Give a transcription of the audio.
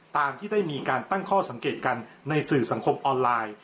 ตามที่ได้มีการตั้งข้อสังเกตกันในสื่อสังคมออนไลน์